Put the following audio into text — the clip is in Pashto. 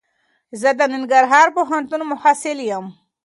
زه دننګرهار پوهنتون محصل یم.